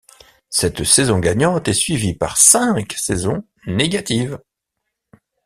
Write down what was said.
Cette saison gagnante est suivie par cinq saisons négatives.